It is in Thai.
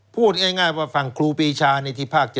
พูดง่ายว่าฝั่งครูปีชาในที่ภาค๗